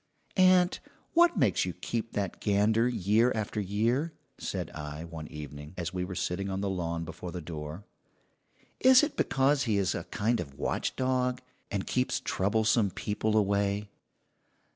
"Aunt, what makes you keep that gander year after year?" said I one evening, as we were sitting on the lawn before the door. "Is it because he is a kind of watchdog, and keeps troublesome people away?"